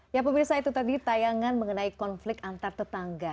ya pemirsa itu tadi tayangan mengenai konflik antar tetangga